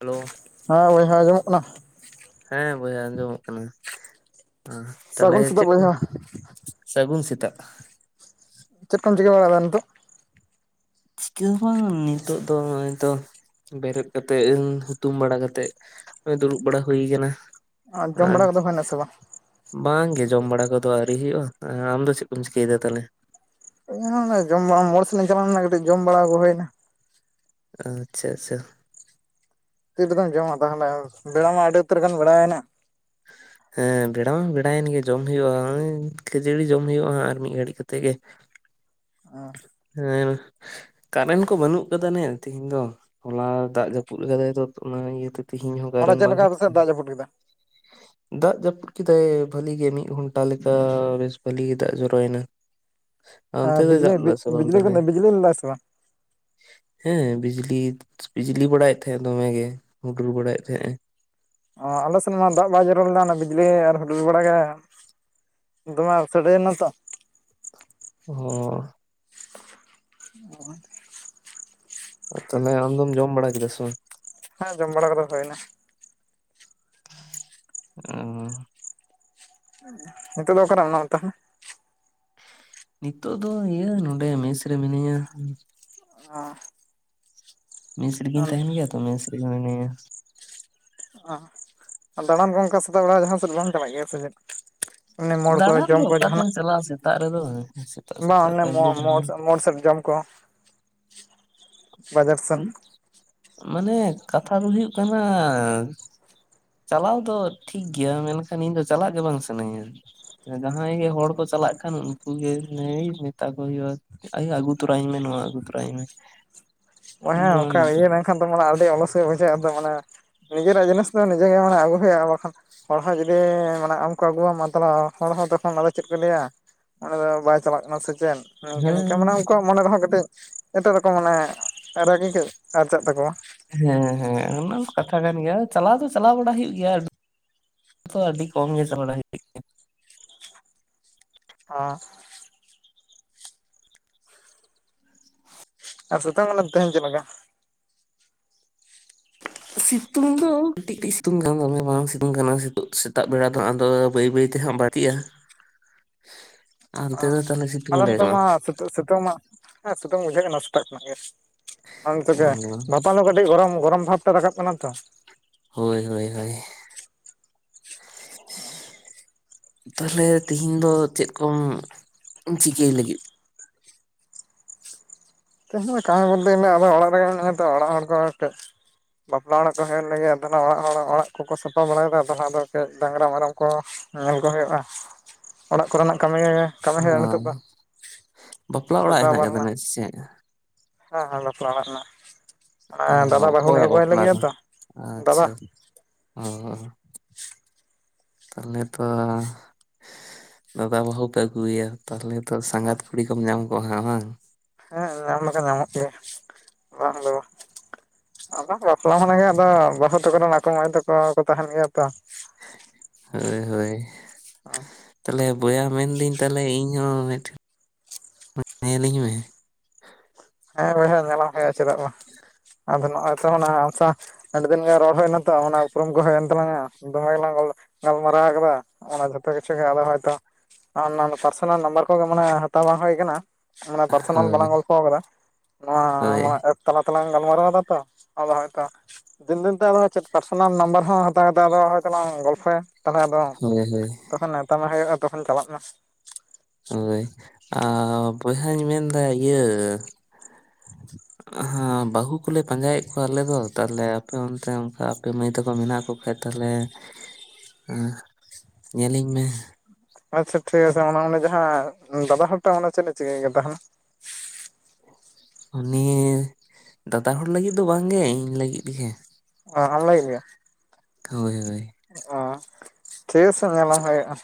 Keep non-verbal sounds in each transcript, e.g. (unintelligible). Hello, ᱦᱮᱸ ᱵᱚᱭᱦᱟ ᱟᱸᱡᱚᱢᱚᱜ ᱠᱟᱱᱟ᱾ ᱦᱮᱸ ᱵᱚᱭᱦᱟ ᱟᱸᱡᱚᱢᱚᱜ ᱠᱟᱱᱟ᱾ ᱛᱟᱸᱦᱚᱞᱮ ᱥᱟᱹᱜᱩᱱ ᱥᱮᱛᱟᱜ ᱪᱮᱫ ᱠᱚ, ᱵᱚᱭᱦᱟ ᱥᱟᱹᱜᱩᱱ ᱥᱮᱛᱟᱜ, ᱪᱮᱫ ᱡᱚᱢ ᱪᱤᱠᱟᱹ ᱵᱟᱲᱟᱭ ᱮᱫᱟ ᱱᱤᱛᱚᱜ? ᱪᱤᱠᱟᱹ ᱦᱚ ᱵᱟᱝ ᱱᱤᱛᱚᱜ ᱫᱚ ᱱᱚᱜᱼᱚᱭ ᱛᱚ ᱵᱮᱨᱮᱫ ᱠᱟᱛᱮᱜ ᱦᱩᱛᱩᱢ ᱵᱟᱲᱟ ᱠᱟᱛᱮᱜ, ᱫᱩᱲᱩᱵ ᱵᱟᱲᱟ ᱦᱩᱭ ᱠᱟᱱᱟ᱾ ᱟᱨ ᱡᱚᱢ ᱵᱟᱲᱟ ᱠᱚᱫᱚ ᱦᱳᱭᱱᱟ ᱥᱮ ᱵᱟᱝ? ᱵᱟᱝ ᱜᱮ ᱡᱚᱢ ᱵᱟᱲᱟ ᱠᱚᱫᱚ ᱟᱹᱣᱨᱤ ᱦᱩᱭᱩᱜᱼᱟ᱾ ᱟᱢ ᱫᱚ ᱪᱮᱫ ᱠᱚᱢ ᱪᱤᱠᱟᱹᱭᱮᱫᱟ ᱛᱟᱸᱦᱚᱞᱮ? ᱤᱧ ᱦᱚ ᱚᱱᱟ ᱡᱚᱢ ᱵᱟᱲᱟ ᱢᱳᱲ ᱥᱮᱱ ᱤᱧ ᱪᱟᱞᱟᱣ ᱞᱮᱱᱟ ᱠᱟᱹᱴᱤᱡ ᱡᱚᱢ ᱵᱟᱲᱟ ᱟᱹᱜᱩ ᱦᱳᱭᱱᱟ᱾ ᱟᱪᱪᱷᱟ ᱟᱪᱪᱷᱟ, ᱛᱤ ᱨᱮᱫᱚᱢ ᱡᱚᱢᱟ ᱛᱟᱸᱦᱚᱞᱮ, ᱵᱮᱲᱟ ᱢᱟ ᱟᱹᱰᱤ ᱩᱛᱟᱹᱨ ᱜᱟᱱ ᱵᱮᱲᱟᱭᱮᱱᱟ᱾ (inaudible) ᱦᱮᱸ ᱵᱮᱲᱟ ᱢᱟ ᱵᱮᱲᱟᱭᱮᱱ ᱜᱮ ᱡᱚᱢ ᱦᱩᱭᱩᱜᱼᱟ᱾ ᱠᱷᱟᱹᱡᱟᱹᱲᱤ ᱡᱚᱢ ᱦᱩᱭᱩᱜᱼᱟ ᱟᱨ ᱢᱤᱫ ᱜᱷᱟᱹᱲᱤᱡ ᱠᱟᱛᱮ ᱜᱮ, ᱚᱸᱻ ᱦᱮᱸ ᱠᱟᱨᱮᱱᱴ ᱠᱚ ᱵᱟᱹᱱᱩᱜ ᱟᱠᱟᱫᱟ ᱱᱮ ᱛᱮᱦᱤᱧ ᱫᱚ, ᱦᱚᱞᱟ ᱫᱟᱜ ᱡᱟᱹᱯᱩᱫ ᱠᱟᱫᱟᱭ ᱛᱚ ᱚᱱᱟ ᱤᱭᱟᱹ ᱛᱮ ᱛᱮᱦᱮᱧ ᱦᱚᱸ ᱦᱚᱞᱟ ᱠᱟᱨᱮᱱ ᱪᱮᱫ ᱵᱟᱝ ᱞᱮᱠᱟ ᱦᱮᱡ ᱠᱟᱱᱟ ᱾ (unintelligible) ᱫᱟᱜ ᱡᱟᱹᱯᱩᱫ ᱠᱮᱫᱟᱭ ᱵᱷᱟᱹᱞᱤ ᱜᱮ ᱢᱤᱫ ᱜᱷᱚᱱᱴᱟ ᱞᱮᱠᱟ ᱵᱮᱥ ᱵᱷᱟᱹᱞᱤ ᱜᱮ ᱫᱟᱜ ᱡᱚᱨᱚᱭᱱᱟ ᱾ ᱟᱨ ᱵᱤᱡᱽᱞᱤ ᱵᱤᱡᱽᱞᱤ ᱠᱚ ᱛᱟᱦᱚᱞᱮ? ᱵᱤᱡᱽᱞᱤ ᱞᱮᱫᱟ ᱥᱮ ᱵᱟᱝ? ᱦᱮᱸ ᱵᱤᱡᱽᱞᱤ ᱵᱤᱡᱽᱞᱤ ᱵᱟᱲᱟᱭᱮᱫ ᱛᱟᱦᱮᱸᱜ ᱫᱚᱢᱮ ᱜᱮ ᱦᱩᱰᱩᱨ ᱵᱟᱲᱟᱭᱮᱫ ᱛᱟᱦᱮᱸᱜ ᱾ ᱚ ᱟᱞᱮ ᱥᱮᱫ ᱢᱟ ᱫᱟᱜ ᱵᱟᱭ ᱡᱚᱨᱚ ᱞᱮᱱᱟ ᱚᱱᱟ ᱵᱤᱡᱽᱞᱤ ᱟᱨ ᱦᱩᱰᱩᱨ ᱵᱟᱲᱟ ᱜᱮ ᱫᱚᱢᱮ ᱥᱟᱰᱮᱱᱟ ᱛᱚ (unintelligible) (unintelligible) ᱛᱟᱸᱦᱚᱞᱮ ᱟᱢ ᱫᱚᱢ ᱡᱚᱢ ᱵᱟᱲᱟ ᱠᱮᱫᱟ ᱥᱮ ᱵᱟᱝ? ᱦᱮᱸ ᱡᱚᱢ ᱵᱟᱲᱟ ᱠᱚᱫᱚ ᱦᱩᱭᱱᱟ ᱾ ᱚ ᱾ ᱱᱤᱛᱚᱜ ᱫᱚ ᱚᱠᱟ ᱨᱮ ᱢᱮᱱᱟᱜ ᱛᱟᱦᱚᱞᱮ? ᱱᱤᱛᱳᱜ ᱫᱚ ᱤᱭᱟᱹ ᱱᱚᱰᱮ ᱢᱮᱥ ᱨᱮ ᱢᱤᱱᱟᱹᱧᱟ ᱾ ᱚ ᱢᱮᱥ ᱨᱤᱜᱤᱧ ᱛᱟᱦᱮ ᱜᱮᱭᱟ ᱛᱚ ᱢᱮᱥ ᱨᱮᱜᱮᱡ ᱢᱤᱱᱟᱹᱧᱟ ᱾ ᱚ ᱟᱨ ᱫᱟᱬᱟᱱ ᱠᱚ ᱚᱱᱠᱟ ᱥᱮᱛᱟᱜ ᱵᱮᱲᱟ ᱡᱟᱦᱟᱸ ᱥᱮᱫ ᱵᱟᱢ ᱪᱟᱞᱟᱜ ᱜᱮᱭᱟ ᱥᱮ ᱪᱮᱫ? ᱮᱢᱱᱤ ᱢᱳᱲ ᱠᱚ ᱫᱟᱬᱟᱱ ᱡᱚᱢ ᱫᱚ ᱠᱚ ᱡᱟᱦᱟ ᱚᱠᱟᱛᱮᱢ ᱱᱟᱜ ᱪᱟᱞᱟᱜᱼᱟ ᱥᱮᱛᱟᱜ ᱨᱮᱫᱚ ᱥᱮᱛᱟᱜ ᱵᱟᱝ ᱥᱮᱛᱟᱜ ᱚᱱᱮ ᱚᱠᱟ ᱨᱮᱜᱮ ᱢᱳᱲ ᱢᱳᱲ ᱫᱟᱬᱟᱱ ᱥᱮᱫ ᱢᱳᱲ ᱥᱮᱫ ᱡᱚᱢ ᱠᱚᱸ ᱩᱸ ᱢᱟᱱᱮ ᱠᱟᱛᱷᱟ ᱫᱚ ᱦᱩᱭᱩᱜ ᱠᱟᱱᱟ ᱪᱟᱞᱟᱣ ᱫᱚ ᱛᱷᱤᱠ ᱜᱮᱭᱟ ᱢᱮᱱᱠᱷᱟᱱ ᱤᱧ ᱫᱚ ᱪᱟᱞᱟᱜ ᱜᱮ ᱵᱟᱝ ᱥᱟᱹᱱᱟᱹᱧᱟ᱾ ᱡᱟᱦᱟᱸᱭ ᱜᱮ ᱦᱚᱲ ᱠᱚ ᱪᱟᱞᱟᱜ ᱠᱷᱟᱱ ᱩᱝᱠᱩ ᱜᱮ ᱞᱟᱹᱭ ᱢᱮᱛᱟ ᱠᱚ ᱦᱳᱭᱳᱜᱼᱟ ᱾ ᱟᱭᱳ ᱟᱜᱩ ᱛᱚᱨᱟ ᱟᱹᱧ ᱢᱮ ᱱᱚᱣᱟ ᱟᱜᱩ ᱛᱚᱨᱟ ᱟᱹᱧ ᱢᱮ᱾ ᱤᱧ ᱦᱮᱸ ᱫᱚ ᱚᱱᱠᱟ ᱤᱭᱟᱹ ᱞᱮᱱᱠᱷᱟᱱ ᱫᱚ ᱢᱟᱱᱮ ᱟᱹᱰᱤ ᱚᱞᱚᱥ ᱜᱮ ᱵᱩᱡᱟᱹᱜᱼᱟ ᱫᱚ ᱢᱟᱱᱮ ᱱᱤᱡᱮᱨᱟᱜ ᱡᱤᱱᱤᱥ ᱫᱚ ᱱᱤᱡᱮ ᱜᱮ ᱢᱟᱱᱮ ᱟᱹᱜᱩ ᱦᱩᱭᱩᱜᱼᱟ ᱵᱟᱠᱷᱟᱱ ᱦᱚᱲ ᱦᱚᱸ ᱡᱩᱫᱤ ᱢᱟᱱᱮ ᱟᱢ ᱠᱚ ᱟᱹᱜᱩ ᱟᱢᱟ ᱛᱟᱦᱚᱞᱮ ᱦᱚᱲ ᱦᱚᱸ ᱛᱚᱠᱷᱚᱱ ᱟᱫᱚ ᱪᱮᱫ ᱠᱚ ᱞᱮᱭᱟ᱾ ᱚᱱᱤ ᱫᱚ ᱵᱟᱭ ᱪᱟᱞᱟᱜ ᱠᱟᱱᱟ ᱥᱮ ᱪᱮᱫ ᱾ ᱱᱤᱝᱠᱟᱹ ᱦᱮᱸ ᱱᱤᱝᱠᱟᱹ ᱢᱟᱱᱮ ᱩᱱᱠᱩᱣᱟᱜ ᱢᱚᱱᱮ ᱨᱮᱦᱚᱸ ᱠᱟᱹᱴᱤᱡ ᱮᱴᱟᱜ ᱨᱚᱠᱚᱢ ᱢᱟᱱᱮ ᱨᱟᱹᱜᱤ ᱟᱨᱪᱟᱜ ᱛᱟᱠᱚᱣᱟ᱾ ᱦᱮᱸ ᱦᱮᱸ ᱚᱱᱟ ᱦᱚᱸ ᱠᱟᱛᱷᱟ ᱠᱟᱱ ᱜᱮᱭᱟ ᱪᱟᱞᱟᱣ ᱫᱚ ᱪᱟᱞᱟᱣ ᱵᱟᱲᱟ ᱦᱩᱭᱩᱜ ᱜᱮᱭᱟ ᱟ ᱛᱚ ᱟᱹᱰᱤ ᱠᱚᱢ ᱜᱮ ᱪᱟᱞᱟᱣ ᱵᱟᱲᱟ ᱦᱩᱭᱩᱜ (inaudible) ᱚ ᱟᱨ ᱥᱮᱛᱳᱝ ᱠᱟᱱᱟ ᱛᱮᱦᱮᱧ ᱪᱮᱫ ᱞᱮᱠᱟ? ᱥᱤᱛᱩᱝ ᱫᱚ ᱠᱟᱹᱴᱤᱡ ᱠᱟᱹᱴᱤᱡ ᱥᱤᱛᱩᱝ ᱠᱟᱱ ᱫᱚ ᱢᱮ ᱵᱟᱝ ᱥᱤᱛᱩᱝ ᱠᱟᱱᱟ ᱥᱮᱛᱟᱜ ᱵᱮᱲᱟ ᱫᱚ ᱟᱫᱚ ᱵᱟᱹᱭ ᱵᱟᱹᱭ ᱛᱮᱦᱚᱜ ᱵᱟᱛᱤᱜᱼᱟ᱾ (unintelligible) ᱦᱮᱸ ᱫᱚ ᱛᱟᱦᱚᱞᱮ ᱥᱤᱛᱩᱝ ᱟᱞᱮ ᱞᱮ ᱱᱚᱛᱮ ᱵᱟᱝ ᱢᱟ ᱥᱤᱛᱟᱹᱝ ᱥᱤᱛᱳᱝ ᱢᱟ ᱦᱮᱸ ᱥᱤᱩᱛᱟᱹᱝ ᱵᱩᱡᱷᱟᱹᱜ ᱮᱱᱟ ᱥᱮᱛᱟᱜ ᱠᱷᱚᱱᱟᱜ ᱜᱮ᱾ ᱟᱢ ᱛᱮᱜᱮ ᱵᱟᱷᱟᱯᱟ ᱞᱳ ᱠᱟᱹᱴᱤᱡ ᱜᱚᱨᱚᱢ ᱜᱚᱨᱚᱢ ᱵᱷᱟᱵ ᱛᱮ ᱨᱟᱠᱟᱵ ᱠᱟᱱᱟ ᱛᱚ᱾ ᱦᱳᱭ ᱦᱳᱭ ᱦᱳᱭ ᱚ ᱛᱟᱦᱚᱞᱮ ᱛᱮᱦᱮᱧ ᱫᱚ ᱪᱮᱫ ᱠᱚᱢ ᱪᱤᱠᱟᱹᱭ ᱞᱟᱹᱜᱤᱫ? ᱛᱮᱦᱮᱧ ᱠᱟᱹᱢᱤ ᱵᱳᱞᱛᱮ ᱜᱮᱞᱮ ᱟᱫᱚ ᱚᱲᱟᱜ ᱨᱮᱜ ᱢᱮᱱᱟᱜᱟ ᱞᱤᱧᱟ ᱛᱚ ᱚᱲᱟᱜ ᱦᱚᱲ ᱠᱚ ᱴᱮᱜ᱾ ᱵᱟᱯᱞᱟ ᱚᱲᱟᱜ ᱠᱚ ᱦᱮᱜ ᱞᱮᱜᱮ ᱛᱟᱞᱦᱮ ᱚᱲᱟᱜ ᱦᱚᱲ ᱚᱲᱟᱜ ᱠᱚᱠᱚ ᱥᱟᱯᱷᱟ ᱵᱟᱲᱟᱭ ᱫᱟ ᱛᱟᱞᱦᱮ ᱟᱫᱚ ᱠᱟᱹᱡ ᱰᱟᱝᱨᱟ ᱢᱮᱨᱚᱢ ᱠᱚ ᱧᱮᱞ ᱠᱚ ᱦᱳᱭᱳᱜᱼᱟ ᱚᱲᱟᱜ ᱠᱚᱨᱮᱱᱟᱜᱠᱟᱹᱢᱤ ᱜᱮ ᱚ ᱵᱟᱯᱞᱟ ᱚᱲᱟᱜ ᱥᱟᱯᱲᱟᱣ ᱦᱮᱱᱟᱜ ᱨᱮᱱᱟᱜ ᱟᱠᱟᱫᱟ ᱥᱮᱜ? ᱦᱮᱸ ᱦᱮᱸ ᱵᱟᱯᱞᱟ ᱚᱲᱟᱜ ᱨᱮᱱᱟᱜ ᱚ ᱫᱟᱫᱟ ᱵᱟᱹᱦᱩ ᱞᱮ ᱚᱠᱚᱭᱟᱜ ᱟᱹᱜᱩᱣᱟᱭ ᱵᱟᱯᱞᱟ ᱞᱟᱹᱜᱤᱫ ᱟᱛᱚ ᱫᱟᱫᱟ ᱩᱸ ᱦᱩᱸ ᱛᱟᱦᱟᱞᱮ ᱛᱚ, ᱫᱟᱫᱟ ᱵᱟᱹᱦᱩ ᱯᱮ ᱟᱜᱩ ᱟᱭᱟ᱾ ᱛᱟᱦᱚᱞᱮ ᱛᱚ ᱥᱟᱸᱜᱟᱛ ᱠᱩᱲᱤ ᱠᱚᱢ ᱧᱟᱢ ᱠᱚᱣᱟ ᱦᱟᱜ ᱵᱟᱝ᱾ ᱦᱮᱸ ᱧᱟᱢ ᱫᱚ ᱠᱚ ᱧᱟᱢᱚᱜ ᱜᱮᱭᱟ ᱵᱟᱝ ᱫᱚ ᱵᱟᱝ᱾ ᱟᱫᱚ ᱵᱟᱯᱞᱟ ᱢᱟᱱᱮ ᱜᱮ ᱟᱫᱚ ᱵᱟᱹᱦᱩ ᱛᱟᱠᱚᱨᱮᱱ ᱟᱠᱚ ᱢᱟᱹᱭ ᱛᱟᱠᱚ ᱠᱚ ᱛᱟᱦᱮᱱ ᱜᱮᱭᱟ ᱛᱚ᱾ ᱦᱳᱭ ᱦᱳᱭ ᱚᱸ ᱛᱟᱦᱞᱮ ᱵᱚᱭᱦᱟ ᱢᱮᱱᱫᱟᱹᱧ ᱛᱟᱦᱞᱮ ᱤᱧ ᱦᱚᱸ (inaudible) ᱧᱮᱞᱤᱧ ᱢᱮ᱾ ᱦᱮᱸ ᱵᱚᱭᱦᱟ ᱧᱮᱞᱟᱢ ᱦᱳᱭᱳᱜᱼᱟ ᱪᱮᱫᱟᱜ ᱵᱟᱝ, ᱟᱫᱚ ᱱᱚᱜᱼᱚᱭ ᱛᱚ ᱚᱱᱟ ᱟᱢ ᱥᱟᱣ ᱟᱹᱰᱤ ᱫᱤᱱ ᱜᱮ ᱨᱚᱲ ᱦᱳᱭᱱᱟ ᱛᱚ ᱚᱱᱟ ᱩᱯᱨᱩᱢ ᱠᱚ ᱦᱳᱭᱮᱱ ᱛᱟᱞᱟᱝᱼᱟ, ᱫᱚᱢᱮ ᱜᱮᱞᱟᱝ ᱜᱚᱞ ᱜᱟᱞᱢᱟᱨᱟᱣ ᱠᱟᱫᱟ ᱚᱱᱟ ᱡᱷᱚᱛᱚ ᱠᱤᱪᱷᱩ ᱜᱮ ᱟᱫᱚ ᱦᱚᱭᱛᱚ ᱟᱱ ᱱᱟᱱ ᱯᱟᱨᱥᱚᱱᱟᱞ ᱱᱟᱢᱵᱟᱨ ᱠᱚᱜᱮ ᱢᱟᱱᱮ ᱦᱟᱛᱟᱣ ᱵᱟᱝ ᱦᱳᱭ ᱠᱟᱱᱟ ᱢᱟᱱᱮ ᱯᱟᱨᱥᱚᱱᱟᱞ ᱦᱳᱭ ᱵᱟᱞᱟᱝ ᱜᱚᱞᱯᱷᱚ ᱠᱟᱫᱟ᱾ ᱱᱚᱣᱟ ᱦᱳᱭ ᱱᱚᱣᱟ ᱮᱯ ᱛᱟᱞᱟ ᱛᱮᱞᱟᱝ ᱜᱟᱞᱢᱟᱨᱟᱣ ᱫᱟ ᱛᱚ ᱟᱫᱚ ᱦᱚᱭᱛᱚ ᱫᱤᱱ ᱫᱤᱱ ᱛᱮ ᱟᱫᱚ ᱪᱮᱫ ᱯᱟᱨᱥᱚᱱᱟᱞ ᱱᱟᱢᱵᱟᱨ ᱦᱚᱸ ᱦᱟᱛᱟᱣ ᱠᱟᱛᱮᱫ ᱟᱫᱚ ᱦᱚᱭ ᱛᱚᱞᱟᱝ ᱜᱚᱞᱯᱷᱚᱭᱟ᱾ ᱛᱟᱦᱚᱞᱮ ᱟᱫᱚ ᱦᱳᱭ ᱦᱳᱭ ᱛᱚᱠᱷᱚᱱ ᱱᱮᱶᱛᱟ ᱢᱟ ᱦᱩᱭᱩᱜᱼᱟ ᱛᱚᱠᱷᱚᱱ ᱪᱟᱞᱟᱜ ᱢᱮ᱾ ᱦᱳᱭ ᱟᱻ ᱵᱚᱭᱦᱟᱧ ᱢᱮᱱᱫᱟ ᱤᱭᱟᱹ (inaudible) ᱚᱸᱦᱚ ᱵᱟᱹᱦᱩ ᱠᱚᱞᱮ ᱯᱟᱸᱡᱟᱭᱮᱫ ᱠᱚᱣᱟ ᱟᱞᱮ ᱫᱚ ᱛᱟᱦᱞᱮ ᱟᱯᱮ ᱚᱱᱛᱮ ᱚᱱᱠᱟ ᱟᱯᱮ ᱢᱟᱹᱭ ᱛᱟᱠᱚ ᱢᱮᱱᱟᱜ ᱠᱚ ᱠᱷᱟᱡ ᱛᱟᱦᱞᱮ (inaudible) ᱦᱩᱸ ᱧᱮᱞᱤᱧ ᱢᱮ᱾ ᱟᱪᱪᱷᱟ ᱴᱷᱤᱠ ᱟᱪᱷᱮ ᱚᱱᱟ ᱢᱟᱱᱮ ᱡᱟᱦᱟᱸ ᱫᱟᱫᱟ ᱦᱚᱲ ᱴᱟᱜ ᱚᱱᱟ ᱪᱮᱫ ᱮ ᱪᱤᱠᱟᱹᱭ ᱜᱮ ᱛᱟᱦᱚᱞᱮ? ᱩᱱᱤ ᱫᱟᱫᱟ ᱦᱚᱲ ᱞᱟᱹᱜᱤᱫ ᱫᱚ ᱵᱟᱝ ᱜᱮ ᱤᱧ ᱞᱟᱹᱜᱤᱫ ᱜᱮ᱾ ᱚᱸ ᱟᱢ ᱞᱟᱜᱤᱫ ᱜᱮ? ᱦᱳᱭ ᱦᱳᱭ ᱚᱸ ᱴᱷᱤᱠ ᱟᱪᱷᱮ ᱧᱮᱞᱟᱢ ᱦᱩᱭᱩᱜᱼᱟ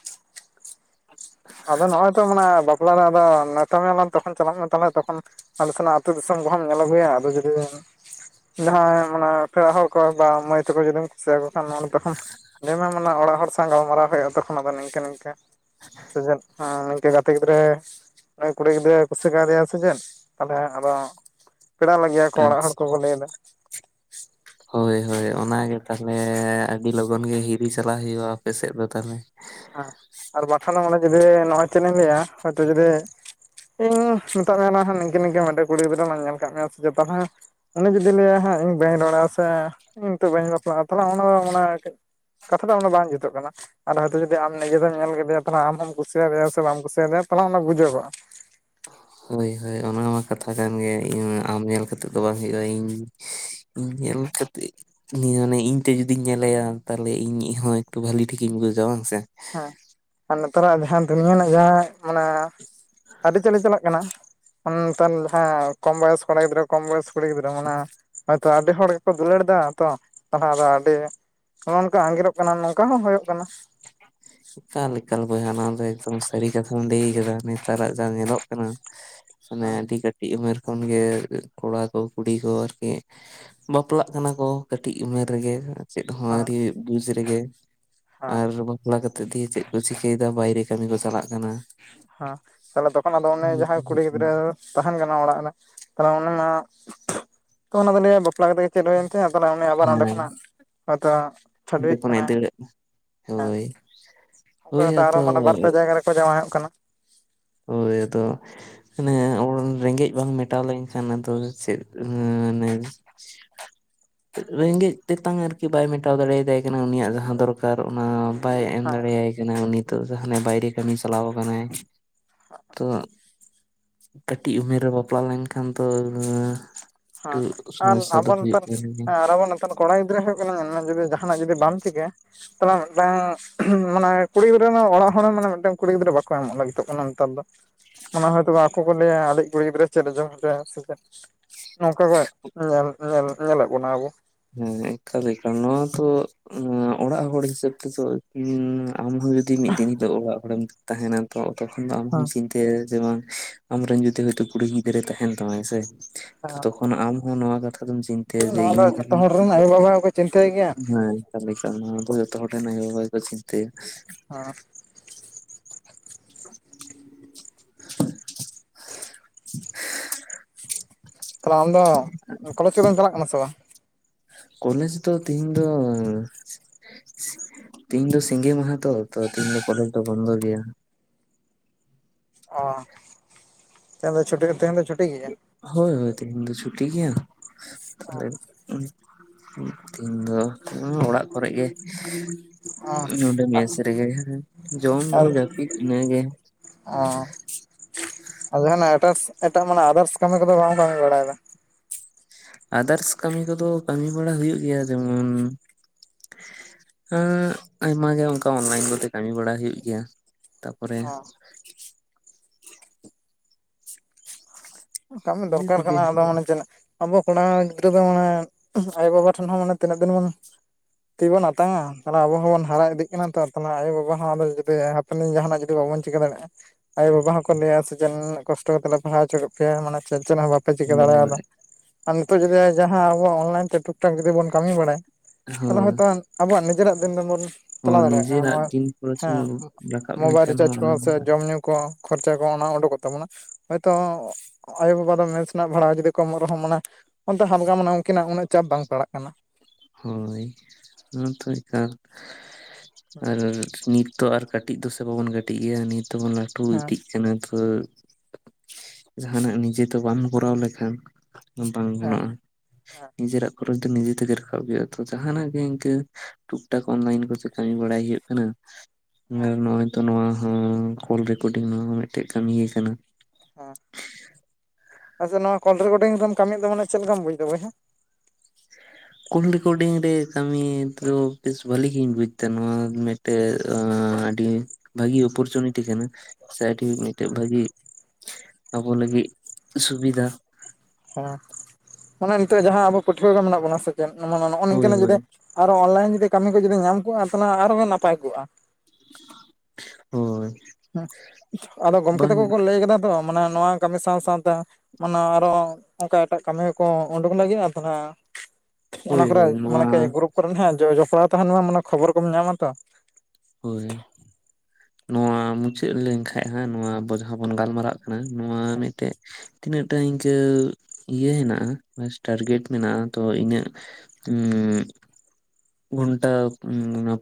ᱟᱫᱚ ᱱᱚᱜᱼᱚᱭ ᱛᱚ ᱢᱟᱱᱮ ᱵᱟᱼᱼ ᱼᱯᱞᱟ ᱫᱚ ᱟᱫᱚ ᱱᱮᱶᱛᱟ ᱢᱮᱭᱟᱞᱟᱝ ᱛᱚᱠᱷᱚᱱ ᱪᱟᱞᱟᱜ ᱢᱮ ᱛᱟᱦᱞᱮ ᱛᱚᱠᱷᱚᱱ ᱟᱞᱮ ᱥᱮᱱᱟᱜ ᱟᱹᱛᱩ ᱫᱤᱥᱚᱢ ᱠᱚᱦᱚᱸᱢ ᱧᱮᱞ ᱟᱹᱜᱩᱭᱟ ᱟᱫᱚ ᱡᱩᱫᱤ ᱵᱮᱱ ᱡᱟᱦᱟᱸᱭ ᱢᱟᱱᱮ ᱯᱮᱲᱟ ᱦᱚᱲ ᱠᱚ ᱵᱟ ᱢᱟᱹᱭ ᱛᱟᱠᱚ ᱡᱩᱫᱤᱢ ᱠᱩᱥᱤ ᱟᱠᱚ ᱠᱷᱟᱱ ᱱᱚᱰᱮ ᱛᱚᱠᱷᱚᱱ ᱞᱟᱹᱭ ᱢᱮ ᱢᱟᱱᱮ ᱚᱲᱟᱜ ᱦᱚᱲ ᱥᱟᱶ ᱜᱟᱞᱢᱟᱨᱟᱣ ᱦᱩᱭᱩᱜᱼᱟ ᱛᱚᱠᱷᱚᱱ ᱟᱫᱚ ᱱᱤᱝᱠᱟᱹ ᱱᱤᱝᱠᱟᱹ ᱥᱮ ᱪᱮᱫ ᱮᱸ ᱱᱤᱝᱠᱟᱹ ᱜᱟᱛᱮ ᱜᱤᱫᱽᱨᱟᱹ ᱩᱱᱤ ᱠᱩᱲᱤ ᱜᱤᱫᱽᱨᱟᱹᱭ ᱠᱩᱥᱤ ᱠᱟᱣ ᱫᱮᱭᱟ ᱥᱮ ᱪᱮᱫ ᱛᱟᱦᱞᱮ ᱟᱫᱚ ᱯᱮᱲᱟ ᱞᱟᱜᱤᱜᱼᱟᱠᱚ ᱚᱲᱟᱜ ᱦᱚᱲ ᱟᱪᱪᱷᱟ ᱠᱚᱠᱚ ᱞᱟᱹᱭ ᱮᱫᱟ ᱦᱳᱭ ᱦᱳᱭ ᱚᱱᱟ ᱜᱮ ᱛᱟᱦᱞᱮ ᱟᱹᱰᱤ ᱞᱚᱜᱚᱱ ᱜᱮ ᱦᱤᱨᱤ ᱪᱟᱞᱟᱜ ᱦᱩᱭᱩᱜᱼᱟ ᱟᱯᱮ ᱥᱮᱫ ᱫᱚ ᱛᱟᱦᱞᱮ ᱦᱮ ᱟᱨ ᱵᱟᱠᱷᱟᱱ ᱫᱚ ᱚᱱᱮ ᱡᱩᱫᱤ ᱱᱚᱜᱼᱚᱭ ᱪᱮᱫ ᱤᱧ ᱞᱟᱹᱭᱟ ᱦᱚᱭᱛᱚ ᱡᱩᱫᱤ ᱤᱧ ᱢᱮᱛᱟᱫ ᱢᱮᱭᱟ ᱱᱟᱦᱟᱜ ᱱᱤᱝᱠᱟᱹ ᱱᱤᱝᱟᱹ ᱢᱤᱫᱴᱮᱱ ᱠᱩᱲᱤ ᱜᱤᱫᱽᱨᱟᱹ ᱞᱟᱝ ᱧᱮᱞ ᱟᱠᱟᱫ ᱢᱮᱭᱟ ᱥᱮ ᱪᱮᱫ ᱛᱟᱦᱞᱮ ᱩᱱᱤ ᱡᱩᱫᱤ ᱞᱟᱹᱭᱟ ᱦᱟᱸᱜ ᱤᱧ ᱵᱟᱹᱧ ᱨᱚᱲᱟ ᱥᱮ ᱤᱧ ᱱᱤᱛᱚᱜ ᱵᱟᱹᱧ ᱵᱟᱯᱞᱟᱜᱼᱟ ᱛᱟᱦᱞᱮ ᱚᱱᱟ ᱫᱚ ᱢᱟᱱᱮ ᱠᱟᱹᱡ ᱠᱟᱛᱷᱟ ᱫᱚ ᱚᱱᱟ ᱵᱟᱝ ᱡᱩᱛᱩᱜ ᱠᱟᱱᱟ ᱛᱚ ᱡᱩᱫᱤ ᱟᱢ ᱱᱤᱡᱮ ᱛᱮᱢ ᱧᱮᱞ ᱠᱮᱫᱮᱭᱟ ᱛᱟᱦᱞᱮ ᱟᱢ ᱦᱚᱢ ᱠᱩᱥᱤᱭᱟᱫᱮᱭᱟ ᱥᱮ ᱵᱟᱢ ᱠᱩᱥᱤᱭᱟᱫᱮᱭᱟ ᱛᱟᱦᱞᱮ ᱚᱱᱟ ᱵᱩᱡᱟᱹᱜᱚᱜᱼᱟ ᱦᱳᱭ ᱦᱳᱭ ᱚᱱᱟ ᱢᱟ ᱠᱟᱛᱷᱟ ᱠᱟᱱ ᱜᱮ ᱤᱧ ᱟᱢ ᱧᱮᱞ ᱠᱟᱛᱮᱜ ᱫᱚ ᱵᱟᱝ ᱦᱩᱭᱩᱜᱼᱟ ᱤᱧ ᱤᱧ ᱧᱮᱞ ᱠᱟᱛᱮ ᱩᱱᱤ ᱢᱟᱱᱮ ᱤᱧ ᱛᱮ ᱡᱩᱫᱤᱧ ᱧᱮᱞᱮᱭᱟ ᱛᱟᱦᱞᱮ ᱤᱧᱦᱚ ᱮᱠᱴᱩ ᱵᱷᱟᱞᱤ ᱴᱷᱤᱠᱤᱧ ᱵᱩᱡᱟ ᱵᱟᱝ ᱥᱮ ᱦᱮᱸ ᱟᱨ ᱱᱮᱛᱟᱨᱟᱜ ᱡᱟᱦᱟᱸ ᱫᱩᱱᱤᱭᱟᱹ ᱨᱮᱱᱟᱜ ᱡᱟᱦᱟᱸ ᱢᱟᱱᱮ ᱟᱹᱨᱤᱪᱟᱹᱞᱤ ᱪᱟᱞᱟᱜ ᱠᱟᱱᱟ ᱚᱱ ᱠᱟᱱ ᱡᱟᱸᱦᱟ ᱠᱚᱢ ᱵᱚᱭᱚᱥ ᱠᱚᱸᱲᱟ ᱜᱤᱫᱽᱨᱟᱹ ᱠᱚᱢ ᱵᱚᱭᱚᱥ ᱠᱩᱲᱤ ᱜᱤᱫᱽᱨᱟᱹ ᱢᱟᱱᱮ (unintelligible) ᱛᱚ ᱟᱹᱰᱤ ᱦᱚᱲ ᱜᱮᱠᱚ ᱫᱩᱞᱟᱹᱲ ᱫᱟ ᱛᱚ ᱛᱟᱦᱞᱮ ᱟᱫᱚ ᱟᱹᱰᱤ ᱱᱚᱜᱼᱚᱝᱠᱟ ᱟᱸᱜᱤᱨᱚᱜ ᱠᱟᱱᱟ ᱱᱚᱝᱠᱟ ᱦᱚᱸ ᱦᱳᱭᱳᱜ ᱠᱟᱱᱟ ᱮᱠᱟᱞ ᱮᱠᱟᱞ ᱵᱚᱭᱦᱟ ᱱᱚᱣᱟ ᱫᱚ (unintelligible) ᱥᱟᱹᱨᱤ ᱠᱟᱛᱷᱟᱢ ᱞᱟᱹᱭ ᱟᱠᱟᱫᱟ ᱱᱮᱛᱟᱨᱟᱜ ᱡᱟᱸ ᱧᱮᱞᱚᱜ ᱠᱟᱱᱟ ᱢᱟᱱᱮ ᱦᱮᱸ ᱟᱹᱰᱤ ᱠᱟᱼᱼ ᱼᱼᱴᱤᱡ ᱩᱢᱟᱹᱨ ᱠᱷᱚᱱ ᱜᱮ ᱠᱚᱲᱟ ᱠᱚ ᱠᱩᱲᱤ ᱠᱚ ᱟᱨᱠᱤ ᱵᱟᱯᱞᱟᱜ ᱠᱟᱱᱟ ᱠᱚ ᱠᱟᱹᱴᱤᱡ ᱩᱢᱮᱨ ᱨᱮᱜᱮ ᱾ ᱪᱮᱫ ᱦᱚᱸ ᱦᱮᱸ ᱟᱹᱣᱨᱤ ᱵᱩᱡᱽ ᱨᱮᱜᱮ ᱦᱮᱸ ᱟᱨ ᱵᱟᱯᱞᱟ ᱠᱟᱼᱼ ᱼᱼᱛᱮ ᱫᱤᱭᱮ ᱪᱮᱫ ᱠᱚ ᱪᱤᱠᱟᱹᱭᱮᱫᱟ ᱵᱟᱭᱨᱮ ᱠᱟᱹᱢᱤ ᱠᱚ ᱪᱟᱞᱟᱜ ᱠᱟᱱᱟ ᱦᱮᱸ ᱛᱟᱦᱞᱮ ᱛᱚᱠᱷᱚᱱ ᱟᱫᱚ ᱩᱱᱤ ᱡᱟᱦᱟᱸᱭ ᱠᱩᱲᱤ ᱜᱤᱫᱽᱨᱟᱹ ᱛᱟᱦᱮᱱ ᱠᱟᱱᱟ ᱚᱲᱟᱜ ᱨᱮ ᱛᱟᱦᱞᱮ ᱩᱱᱤ ᱢᱟ ᱛᱚ ᱚᱱᱟ ᱫᱚ ᱞᱟᱹᱭᱟ ᱵᱟᱯᱼᱼ ᱵᱟᱯᱞᱟ ᱠᱟᱛᱮ ᱜᱮ ᱪᱮᱫ ᱦᱩᱭᱮᱱ ᱛᱟᱭᱟ ᱛᱟᱦᱞᱮ ᱩᱱᱤ ᱟᱵᱟᱨ ᱚᱸᱰᱮ ᱦᱮᱸ ᱠᱷᱚᱱᱟᱜ ᱦᱚᱭᱛᱚ ᱚᱸᱰᱮ ᱪᱷᱟᱹᱰᱣᱤᱜᱽ ᱠᱷᱚᱱᱟᱜ ᱠᱟᱱᱟᱭ᱾ ᱫᱟᱹᱲ ᱦᱳᱭ ᱾ ᱚᱠᱚᱭ ᱦᱳᱭᱛᱳ ᱟᱨᱚ ᱢᱟᱱᱮ ᱵᱟᱨ ᱯᱮ ᱡᱟᱭᱜᱟ ᱨᱮᱠᱚ ᱡᱟᱶᱟᱭᱚᱜ ᱠᱟᱱᱟ ᱾ ᱦᱳᱭ ᱟᱫᱚ ᱼᱼ ᱢᱟᱱᱮ ᱨᱮᱸᱜᱮᱡ ᱵᱟᱝ ᱢᱮᱴᱟᱣ ᱞᱮᱱᱠᱷᱟᱱ ᱟᱫᱚ ᱪᱮᱫ ᱢᱟᱱᱮ ᱼᱼ ᱨᱮᱸᱜᱮᱡ ᱛᱮᱛᱟᱝ ᱟᱨᱠᱤ ᱵᱟᱭ ᱢᱮᱴᱟᱣ ᱫᱟᱲᱮᱭᱟᱛᱟᱭ ᱠᱟᱱᱟ ᱩᱱᱤᱭᱟᱜ ᱡᱟᱦᱟᱸ ᱫᱚᱨᱠᱟᱨ ᱚᱱᱟ ᱼᱼ ᱵᱟᱭ ᱮᱢ ᱦᱮᱸ ᱫᱟᱲᱮᱭᱟᱭ ᱠᱟᱱᱟ ᱱᱤᱛᱚᱜ ᱫᱚ ᱦᱟᱱᱮ ᱵᱟᱭᱨᱮ ᱠᱟᱹᱢᱤ ᱪᱟᱞᱟᱣ ᱠᱟᱱᱟᱭ ᱾ ᱛᱚ ᱠᱟᱹᱴᱤᱡ ᱩᱢᱮᱨ ᱨᱮ ᱵᱟᱯᱞᱟ ᱞᱮᱱᱠᱷᱟᱱ ᱫᱚ ᱼᱼ ᱦᱮᱸ ᱟᱨ ᱟᱵᱚ ᱱᱮᱛᱟᱨ ᱜᱮᱭᱟ (unintelligible) (unintelligible) ᱠᱚᱲᱟ ᱜᱤᱫᱽᱨᱟᱹ ᱦᱩᱭᱩᱜ ᱠᱟᱱᱟ ᱧᱮᱞ ᱢᱮ ᱡᱩᱫᱤ ᱡᱟᱦᱟᱱᱟᱜ ᱡᱩᱫᱤ ᱵᱟᱢ ᱪᱤᱠᱟᱹᱭᱟ ᱼᱼ ᱛᱟᱦᱞᱮ ᱢᱤᱫᱴᱟᱝ ᱢᱟᱱᱮ ᱠᱩᱲᱤ ᱜᱤᱫᱽᱨᱟᱹ ᱦᱚᱸ ᱚᱲᱟᱜ ᱦᱚᱲ ᱢᱟᱱᱮ ᱢᱤᱫᱴᱟᱝ ᱠᱩᱲᱤ ᱜᱤᱫᱽᱨᱟᱹ ᱵᱟᱠᱚ ᱮᱢᱚᱜᱽ ᱞᱟᱹᱜᱤᱫᱚᱜᱽ ᱠᱟᱱᱟ ᱱᱮᱛᱟᱨ ᱫᱚ᱾ ᱚᱱᱟ ᱦᱚᱭᱛᱳ ᱟᱠᱚ ᱠᱚ ᱞᱟᱹᱭᱟ ᱟᱞᱮᱭᱤᱡ ᱠᱩᱲᱤ ᱜᱤᱫᱽᱨᱟᱹ ᱪᱮᱫ ᱮ ᱡᱚᱢ ᱦᱚᱪᱚᱭᱮᱭᱟ ᱥᱮ ᱪᱮᱫ? ᱱᱚᱝᱠᱟ ᱜᱮ ᱧᱮᱞ ᱧᱮᱞ ᱧᱮᱞᱮᱫ ᱵᱚᱱᱟ ᱟᱵᱚ ᱾ ᱦᱮᱸ (unintelligible) ᱱᱚᱣᱟ ᱫᱚ ᱚᱲᱟᱜ ᱦᱚᱲ ᱦᱤᱥᱟᱹᱵ ᱛᱮᱫᱚ ᱼᱼ ᱟᱢᱦᱚᱸ ᱡᱩᱫᱤ ᱢᱤᱫ ᱫᱤᱱ ᱦᱤᱞᱳᱜ ᱚᱲᱟᱜ ᱦᱚᱲ ᱮᱢ ᱛᱟᱦᱮᱱᱟ ᱛᱚ ᱛᱚᱠᱷᱚᱱ ᱫᱚ ᱟᱢ ᱦᱚᱢ ᱦᱮᱸ ᱪᱤᱱᱛᱟᱹᱭᱟ ᱾ ᱡᱮᱢᱚᱱ ᱟᱢᱨᱮᱱ ᱡᱩᱫᱤ ᱦᱚᱭᱛᱳ ᱠᱩᱲᱤ ᱜᱤᱫᱽᱨᱟᱹ ᱛᱟᱦᱮᱱ ᱛᱟᱢᱟᱭ ᱥᱮ ᱦᱮᱸ ᱛᱚᱠᱷᱚᱱ ᱟᱢ ᱦᱚᱸ ᱱᱚᱣᱟ ᱠᱟᱛᱷᱟ ᱼᱼ ᱟᱫᱚᱢ ᱪᱤᱱᱛᱟᱹᱭᱟ ᱡᱮ ᱱᱚᱣᱟ ᱫᱚ ᱤᱧ ᱼᱼ ᱡᱚᱛᱚ ᱦᱚᱲ ᱨᱮᱱ ᱟᱭᱳᱼᱵᱟᱵᱟ ᱦᱚᱸᱠᱚ ᱪᱤᱱᱛᱟᱹᱭ ᱜᱮᱭᱟ ᱾ ᱦᱮᱸ ᱛᱟᱦᱞᱮ ᱠᱷᱟᱱ ᱫᱚ ᱡᱚᱛᱚ ᱦᱚᱲ ᱨᱮᱱ ᱟᱭᱳᱼᱵᱟᱵᱟ ᱜᱮᱠᱚ (unintelligible) ᱦᱟᱸ ᱼᱼ (inaudible) (inaudible) ᱛᱟᱞᱦᱮ ᱟᱢ ᱫᱚ ᱠᱚᱞᱮᱡᱽ ᱠᱚᱫᱢ ᱪᱟᱞᱟᱜ ᱠᱟᱱᱟ ᱥᱮ ᱵᱟᱝ? ᱠᱚᱞᱮᱡᱽ ᱫᱚ ᱛᱤᱦᱤᱧ ᱫᱚ ᱼᱼ ᱛᱤᱦᱤᱧ ᱫᱚ ᱥᱤᱸᱜᱤ ᱢᱟᱦᱟ ᱛᱚ ᱛᱤᱦᱤᱧ ᱫᱚ ᱠᱚᱞᱮᱡᱽ ᱫᱚ ᱵᱚᱱᱫᱚ ᱜᱮᱭᱟ ᱾ ᱚ ᱛᱮᱦᱮᱧ ᱫᱚ ᱪᱷᱩᱴᱤ ᱛᱮᱦᱮᱧ ᱫᱚ ᱪᱷᱩᱴᱤ ᱜᱮᱭᱟ? ᱦᱳᱭ ᱦᱳᱭ ᱛᱮᱦᱮᱧ ᱫᱚ ᱪᱷᱩᱴᱤ ᱜᱮᱭᱟ ᱛᱟᱦᱚᱞᱮ ᱤᱧ ᱫᱚ ᱚᱲᱟᱜ ᱠᱚᱨᱮᱜ ᱜᱮ ᱚ ᱾ ᱤᱧ ᱱᱚᱰᱮ ᱢᱮᱥ ᱨᱮᱜᱮ ᱡᱚᱢ ᱧᱩ ᱡᱟᱹᱯᱤᱫ ᱤᱱᱟᱹᱜᱮ ᱾ ᱚᱸ ᱡᱟᱦᱟᱱᱟᱜ ᱮᱴᱟᱥ ᱮᱴᱟᱜ ᱢᱟᱱᱮ ᱟᱫᱟᱨᱥ ᱠᱟᱹᱢᱤ ᱠᱚᱫᱚ ᱵᱟᱝ ᱠᱟᱹᱢᱤ ᱵᱟᱲᱟ ᱭᱮᱫᱟ? ᱟᱫᱟᱨᱥ ᱠᱟᱹᱢᱤ ᱠᱚᱫᱚ ᱠᱟᱹᱢᱤ ᱵᱟᱲᱟ ᱦᱩᱭᱩᱜ ᱜᱮᱭᱟ ᱡᱮᱢᱚᱱ ᱼᱼ ᱦᱮᱸ ᱟᱭᱢᱟ ᱜᱮ ᱚᱱᱠᱟ ᱚᱱᱞᱟᱭᱤᱱ ᱠᱚᱛᱮ ᱠᱟᱹᱢᱤ ᱵᱟᱲᱟ ᱦᱩᱭᱩᱜ ᱜᱮᱭᱟ ᱾ ᱛᱟᱯᱚᱨᱮ ᱼᱼ ᱠᱟᱹᱢᱤ ᱤᱱᱟᱹ ᱫᱚᱨᱠᱟᱨ ᱠᱚᱜᱮ ᱠᱟᱱᱟ ᱟᱫᱚ ᱢᱟᱱᱮ ᱪᱮᱫ ᱟᱵᱚ ᱠᱚᱲᱟ ᱜᱤᱫᱽᱨᱟᱹ ᱫᱚ ᱢᱟᱱᱮ ᱼᱼ ᱟᱭᱳ ᱵᱟᱵᱟ ᱴᱷᱮᱱ ᱦᱚᱸ ᱢᱟᱱᱮ ᱛᱤᱱᱟᱹᱜ ᱫᱤᱱ ᱵᱚᱱ ᱼᱼ ᱛᱤ ᱵᱚᱱ ᱟᱛᱟᱝᱟ ᱛᱟᱞᱮ ᱟᱵᱚ ᱦᱚᱸᱵᱚᱱ ᱦᱟᱨᱟ ᱤᱫᱤᱜ ᱠᱟᱱᱟ ᱛᱚ ᱟᱯᱱᱟᱨ ᱟᱭᱳᱼᱵᱟ ᱦᱚᱸ ᱟᱫᱚ ᱡᱩᱫᱤ ᱦᱟᱯᱮᱱᱤᱧ ᱡᱟᱦᱟᱱᱟ ᱡᱩᱫᱤ ᱵᱟᱵᱚᱱ ᱪᱤᱠᱟᱹ ᱫᱟᱲᱮᱭᱟᱜᱼᱟ ᱾ ᱟᱭᱳ ᱵᱟᱵᱟ ᱦᱚᱸᱠᱚ ᱞᱟᱹᱭᱟ ᱥᱮ ᱪᱮᱫ ᱠᱚᱥᱴᱚ ᱠᱟᱛᱮᱜ ᱞᱮ ᱯᱟᱲᱦᱟᱣ ᱦᱚᱪᱚ ᱠᱮᱜ ᱯᱮᱭᱟ ᱢᱟᱱᱮ ᱪᱮᱫ ᱪᱮᱫ ᱦᱚᱸ ᱵᱟᱯᱮ ᱪᱤᱠᱟᱹ ᱫᱟᱲᱮᱭᱟᱫᱟ ᱾ ᱟᱨ ᱱᱤᱛᱳᱜ ᱡᱩᱫᱤ ᱡᱟᱦᱟᱸ ᱟᱵᱚᱣᱟᱜ ᱚᱱᱞᱟᱭᱤᱱ ᱛᱮ ᱴᱩᱠᱼᱴᱟᱠ ᱡᱩᱫᱤ ᱵᱚᱱ ᱠᱟᱹᱢᱤ ᱵᱟᱲᱟᱭᱟ ᱛᱟᱞᱦᱮ ᱦᱚᱭᱛᱳ ᱦᱳᱭ ᱼᱼ ᱟᱵᱚᱣᱟᱜ ᱱᱤᱡᱮᱨᱟᱜ ᱫᱤᱱ ᱫᱚᱵᱚᱱ ᱼᱼ ᱪᱟᱞᱟᱣ ᱫᱟᱲᱮᱭᱟᱜᱼᱟ ᱱᱤᱡᱮᱨᱟᱜ ᱱᱚᱜᱚᱭ ᱫᱤᱱ ᱯᱚᱨᱚᱥᱮᱢ ᱦᱮᱸ ᱨᱟᱠᱟᱵ ᱢᱳᱵᱟᱭᱤᱞ ᱞᱮᱱᱠᱷᱟᱱ ᱨᱤᱪᱟᱨᱡ ᱦᱚᱸ ᱠᱚ ᱥᱮ ᱚᱱᱟ ᱡᱚᱢ ᱧᱩ ᱼᱼ ᱠᱚ ᱠᱷᱚᱨᱪᱟ ᱠᱚ ᱚᱱᱟ ᱩᱰᱩᱠᱚᱜ ᱛᱟᱵᱚᱱᱟ ᱦᱚᱭᱛᱚ ᱼᱼ ᱟᱭᱳ-ᱵᱟᱵᱟ ᱫᱚ ᱢᱮᱥ ᱨᱮᱱᱟᱜ ᱵᱷᱟᱲᱟ ᱡᱩᱫᱤ ᱠᱚ ᱮᱢᱚᱜ ᱨᱮᱦᱚᱸ ᱢᱟᱱᱮ ᱚᱱᱛᱮ ᱦᱟᱞᱠᱟ ᱢᱚᱱᱮᱣ ᱟᱠᱤᱱᱟ ᱩᱱᱟᱹᱜ ᱪᱟᱯ ᱵᱟᱝ ᱯᱟᱲᱟᱜ ᱠᱟᱱᱟ ᱾ ᱦᱳᱭ ᱱᱤᱛ ᱦᱩᱥᱩᱜ ᱠᱟᱱ ᱟᱨ ᱱᱤᱛ ᱼᱼ ᱛᱚ ᱟᱨ ᱠᱟᱹᱴᱤᱡ ᱫᱚᱥᱮ ᱵᱟᱵᱚᱱ ᱠᱟᱹᱴᱤᱡ ᱜᱮᱭᱟ ᱱᱤᱛ ᱫᱚᱵᱚᱱ ᱞᱟᱹᱴᱩ ᱦᱮᱸ ᱤᱫᱤᱜ ᱼᱼ ᱡᱤᱱᱟ. ᱜ ᱵᱷᱚᱨ ᱡᱟᱦᱟᱸᱱᱟᱜ ᱱᱤᱡᱮ ᱛᱮ ᱵᱟᱢ ᱠᱚᱨᱟᱣ ᱞᱮᱠᱷᱟᱱ ᱼᱼ ᱵᱟᱝ ᱜᱟᱱᱚᱜᱼᱟ ᱦᱮᱸ ᱱᱤᱡᱮᱨᱟᱜ ᱠᱷᱚᱨᱚᱪ ᱫᱚ ᱱᱤᱡᱮ ᱛᱮᱜᱮ ᱼᱼ ᱠᱟᱵ ᱦᱩᱭᱩᱜᱟ ᱛᱚ ᱡᱟᱦᱟᱱᱟᱜ ᱜᱮ ᱤᱱᱠᱟᱹ ᱴᱩᱠ ᱴᱟᱠ ᱚᱱᱞᱟᱭᱤᱱ ᱠᱚᱛᱮ ᱠᱟᱹᱢᱤ ᱵᱟᱲᱟᱭ ᱦᱩᱭᱩᱜ ᱠᱟᱱᱟ ᱾ ᱧᱮᱞ ᱢᱮ ᱱᱚᱜᱼᱚᱭ ᱛᱚ ᱱᱚᱶᱟ ᱦᱚᱸ ᱠᱚᱞ ᱨᱮᱠᱳᱰᱤᱝ ᱱᱚᱣᱟ ᱦᱚᱸ ᱢᱤᱫᱴᱮᱡ ᱠᱟᱹᱢᱤ ᱠᱟᱱᱟ ᱾ ᱦᱮᱸ ᱟᱪᱪᱷᱟ ᱱᱚᱣᱟ ᱠᱚᱞ ᱨᱮᱠᱚᱨᱰᱤᱝ ᱨᱮᱢ ᱠᱟᱹᱢᱤᱭᱮᱫ ᱫᱚ ᱢᱟᱱᱮ ᱪᱮᱫ ᱞᱮᱠᱟᱢ ᱵᱩᱡᱟ ᱵᱚᱭᱦᱟ? ᱾ ᱠᱚᱞ ᱨᱮᱠᱳᱰᱤᱝ ᱨᱮ ᱠᱟᱹᱢᱤ ᱫᱚ ᱵᱮᱥ ᱵᱷᱟᱹᱞᱤ ᱜᱤᱧ ᱵᱩᱡ ᱫᱟ ᱱᱚᱶᱟ ᱢᱤᱫ ᱼᱼ ᱛᱮ ᱟᱹᱰᱤ ᱵᱷᱟᱜᱤ ᱚᱯᱚᱨᱪᱩᱱᱤᱴᱤ ᱠᱟᱱᱟ ᱥᱮ ᱟᱰᱤ ᱢᱤᱫ ᱴᱮᱡ ᱵᱷᱟᱜᱤ ᱼᱼ ᱟᱵᱚ ᱞᱟᱹᱜᱤᱫ ᱥᱩᱵᱤᱫᱟ ᱾ ᱦᱮᱸ ᱚᱱᱮ ᱱᱤᱛᱚᱜ ᱡᱟᱦᱟᱸ ᱟᱵᱚ ᱯᱟᱹᱴᱷᱣᱟᱹ ᱠᱚ ᱢᱮᱱᱟᱜ ᱵᱚᱱᱟ ᱥᱮ ᱪᱮᱫ ᱱᱚᱜᱼᱚ ᱱᱤᱝᱠᱟᱹ ᱦᱳᱭ ᱱᱟᱜ ᱦᱳᱭ ᱡᱩᱫᱤ ᱟᱨ ᱦᱚᱸ ᱚᱱᱞᱟᱭᱤᱱ ᱡᱩᱫᱤ ᱠᱟᱹᱢᱤ ᱠᱚ ᱡᱩᱫᱤ ᱧᱟᱢ ᱠᱚᱜᱼᱟ ᱥᱟᱞᱟ ᱟᱨ ᱦᱚᱸ ᱱᱟᱯᱟᱭ ᱠᱚᱜᱼᱟ ᱦᱳᱭ ᱦ (unintelligible) ᱟᱫᱚ ᱜᱚᱢᱠᱮ ᱵᱟᱝ ᱛᱟᱠᱚ ᱠᱚ ᱞᱟᱹᱭ ᱠᱮᱫᱟ ᱛᱚ ᱢᱟᱱᱮ ᱱᱚᱶᱟ ᱠᱟᱹᱢᱤ ᱥᱟᱶ ᱥᱟᱶᱛᱮ ᱢᱟᱱᱮ ᱟᱨ ᱦᱚᱸ ᱚᱱᱠᱟ ᱮᱴᱟᱜ ᱠᱟᱹᱢᱤ ᱠᱚ ᱩᱰᱩᱠ ᱞᱟᱹᱜᱤᱫᱼᱟ ᱫᱚᱲᱦᱟ (unintelligible) ᱚᱱᱟ ᱦᱳᱭ ᱠᱚᱨᱮ ᱦᱳᱭ ᱱᱚᱣᱟ ᱢᱟᱱᱮ ᱠᱤ ᱜᱨᱩᱯ ᱠᱚᱨᱮᱱ ᱡᱚᱯᱲᱟᱣ ᱛᱟᱦᱮᱸᱱ ᱢᱟᱱᱮ ᱠᱷᱚᱵᱚᱨ ᱠᱚᱢ ᱧᱟᱢᱟ ᱛᱚ ᱦᱳᱭ ᱱᱚᱣᱟ ᱢᱩᱪᱟᱹᱫ ᱞᱮᱱᱠᱷᱟᱜ ᱦᱟᱸᱜ ᱱᱚᱣᱟ ᱟᱵᱚ ᱡᱟᱦᱟᱸ ᱵᱚᱱ ᱜᱟᱞᱢᱟᱨᱟᱜ ᱠᱟᱱᱟ ᱱᱚᱶᱟ ᱢᱤᱫ ᱴᱮᱡ ᱛᱤᱱᱟᱹᱜ ᱴᱟ ᱤᱱᱠᱟᱹ ᱤᱭᱟᱹ ᱦᱮᱱᱟᱜᱼᱟ ᱴᱟᱨᱜᱮᱴ ᱢᱮᱱᱟᱜᱼᱟ ᱛᱚ ᱤᱧᱟᱹᱜ (inaudible) ᱜᱷᱚᱱᱴᱟ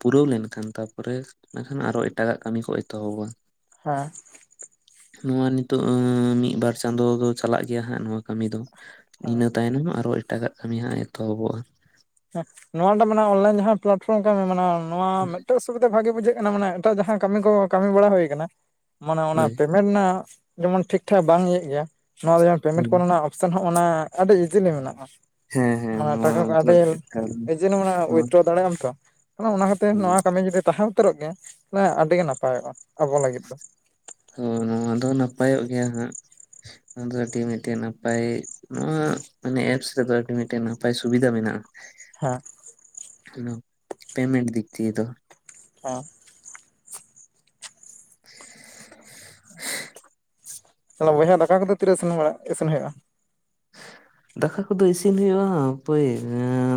ᱯᱩᱨᱟᱹᱣ ᱞᱮᱱᱠᱷᱟᱱ ᱛᱟᱯᱚᱨᱮ ᱢᱮᱱᱠᱷᱟᱱ ᱟᱨᱚ ᱮᱴᱟᱜᱟᱜ ᱠᱟᱹᱢᱤ ᱠᱚ ᱮᱛᱚᱦᱚᱵᱼᱟᱵᱚᱱ ᱦᱮᱸ ᱱᱚᱶᱟ ᱱᱤᱛᱚᱜ ᱢᱤᱫ ᱵᱟᱨ ᱪᱟᱸᱫᱚ ᱫᱚ ᱪᱟᱞᱟᱜ ᱜᱮᱭᱟ ᱦᱟᱸᱜ ᱱᱚᱶᱟ ᱠᱟᱹᱢᱤ ᱫᱚ ᱤᱱᱟᱹ ᱛᱟᱭᱱᱚᱢ ᱟᱨᱚ ᱮᱴᱟᱜᱟᱜ ᱠᱟᱹᱢᱤ ᱦᱟᱸᱜ ᱮᱛᱚᱦᱚᱵᱚᱜᱼᱟ ᱦᱮᱸ ᱱᱚᱣᱟ ᱢᱤᱫ ᱴᱟᱝ ᱢᱟᱱᱮ ᱚᱱᱞᱟᱭᱤᱱ ᱡᱟᱦᱟᱸ ᱯᱞᱟᱴᱯᱷᱚᱨᱚᱢ ᱠᱟᱹᱢᱤ ᱢᱮᱱᱟᱜ ᱱᱚᱣᱟ ᱢᱤᱫ ᱴᱮᱡ ᱵᱷᱟᱹᱜᱤ ᱵᱩᱡᱷᱟᱹᱜ ᱠᱟᱱᱟ ᱢᱟᱱᱮ ᱮᱴᱟᱜ ᱡᱟᱦᱟᱸ ᱠᱟᱹᱢᱤ ᱠᱚ ᱠᱟᱹᱢᱤ ᱵᱟᱲᱟ ᱦᱩᱭ ᱟᱠᱟᱱᱟ ᱢᱟᱱᱮ ᱚᱱᱟ ᱦᱳᱭ ᱢᱮᱱ ᱨᱮᱱᱟᱜ ᱡᱮᱢᱚᱱ ᱴᱷᱤᱠ ᱴᱷᱟᱠ ᱵᱟᱝ ᱤᱭᱟᱹᱜ ᱜᱮᱭᱟ ᱱᱚᱣᱟ ᱫᱚ ᱡᱮᱢᱚᱱ ᱯᱮᱢᱮᱱᱴ ᱠᱚᱨᱮᱱᱟᱜ ᱥᱮ ᱱᱳᱜᱼᱚ ᱱᱟ ᱟᱹᱰᱤ ᱤᱡᱤᱞᱤ ᱢᱮᱱᱟᱜᱼᱟ ᱦᱮᱸ ᱦᱮᱸ (inaudible) ᱚᱱᱟ ᱱᱚᱣᱟ ᱴᱟᱠᱟ ᱠᱚ ᱫᱚ ᱟᱹᱰᱤ ᱮᱠᱟᱞ ᱤᱡᱤᱞᱤ ᱢᱟᱱᱮ ᱱᱚᱣᱟ ᱩᱭᱤᱛᱰᱨᱚ ᱫᱟᱲᱮᱭᱟᱜ ᱟᱢ ᱛᱚ ᱚᱱᱟ ᱠᱟᱛᱮ ᱱᱚᱣᱟ ᱠᱟᱹᱢᱤ ᱡᱩᱫᱤ ᱛᱟᱦᱮᱸᱱ ᱩᱛᱟᱹᱨᱚᱜ ᱜᱮᱭᱟ ᱟᱹᱰᱤ ᱜᱮ ᱱᱟᱯᱟᱭᱚᱜᱼᱟ ᱟᱵᱚ ᱞᱟᱹᱜᱤᱫ ᱫᱚ ᱦᱳ ᱱᱚᱣᱟ ᱫᱚ ᱱᱟᱯᱟᱭᱚᱜ ᱜᱮᱭᱟ ᱦᱟᱸᱜ ᱱᱚᱣᱟ ᱫᱚ ᱟᱹᱰᱤ ᱢᱤᱫ ᱴᱮᱱ ᱱᱟᱯᱟᱭ ᱱᱚᱣᱟ ᱢᱟᱱᱮ ᱮᱯᱥ ᱨᱮᱫᱚ ᱟᱹᱰᱤ ᱢᱤᱫ ᱴᱮᱱ ᱱᱟᱯᱟᱭ ᱥᱩᱵᱤᱫᱷᱟ ᱢᱮᱱᱟᱜᱼᱟ ᱦᱮᱸ (unintelligible) ᱯᱮᱢᱮᱱᱴ ᱫᱤᱠ ᱫᱤᱭᱮ ᱫᱚ ᱦᱮᱸ (unintelligible) ᱛᱟᱞᱮ ᱵᱚᱭᱦᱟ ᱫᱟᱠᱟ ᱠᱚᱫᱚ ᱛᱤᱨᱮ ᱤᱥᱤᱱ ᱵᱟᱲᱟ ᱤᱥᱤᱱ ᱦᱩᱭᱩᱜᱼᱟ (unintelligible) ᱫᱟᱠᱟ ᱠᱚᱫᱚ ᱤᱥᱤᱱ ᱦᱩᱭᱩᱜᱼᱟ ᱦᱟᱸᱜ ᱦᱟᱹᱯᱟᱹᱭ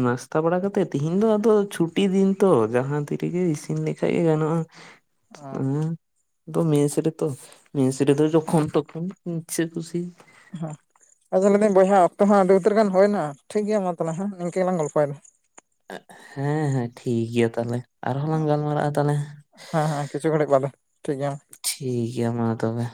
ᱱᱟᱥᱛᱟ ᱵᱟᱲᱟ ᱠᱟᱛᱮᱜ ᱛᱮᱤᱦᱤᱧ ᱫᱚ ᱟᱫᱚ ᱪᱷᱩᱼᱼ ᱴᱤ ᱫᱤᱱ ᱛᱚ ᱡᱟᱦᱟᱸ ᱛᱤᱨᱮᱜᱮ ᱤᱥᱤᱱ ᱞᱮᱠᱷᱟᱡ ᱜᱮ ᱜᱟᱱᱚᱜᱼᱟ ᱚ (unintelligible) ᱟᱫᱚ ᱢᱮᱥ ᱨᱮ ᱛᱚ ᱢᱮᱥ ᱨᱮ ᱫᱚ ᱡᱚᱠᱷᱚᱱ ᱛᱚᱠᱷᱚᱱ ᱤᱪᱪᱷᱟᱹ ᱠᱩᱥᱤ ᱦᱮᱸ ᱟᱫᱩᱧ ᱞᱟᱹᱭ ᱫᱟᱹᱧ ᱵᱚᱭᱦᱟ ᱚᱠᱛᱚ ᱦᱚᱸ ᱟᱹᱰᱤ ᱩᱛᱟᱹᱨ ᱜᱟᱱ ᱦᱩᱭᱮᱱᱟ ᱴᱷᱤᱠ ᱜᱮᱭᱟ ᱢᱟ ᱛᱟᱞᱦᱮ ᱤᱱᱠᱟᱹ ᱜᱮᱞᱟᱝ ᱜᱚᱞᱯᱚᱭ ᱮᱫᱟ ᱦᱮᱸ ᱦᱮᱸ ᱴᱷᱤᱠ ᱜᱮᱭᱟ ᱛᱟᱦᱚᱞᱮ ᱟᱨᱦᱚᱸ ᱞᱟᱝ ᱜᱟᱞᱢᱟᱨᱟᱜᱼᱟ ᱛᱟᱦᱚᱞᱮ ᱦᱮᱸ ᱦᱮᱸ ᱠᱤᱪᱷᱩ ᱜᱷᱟᱹᱲᱤᱡ ᱵᱟᱫᱮ ᱴᱷᱤᱠ ᱜᱮᱭᱟ ᱢᱟ (unintelligible) ᱴᱷᱤᱠ ᱜᱮᱭᱟ ᱢᱟ ᱛᱚᱵᱮ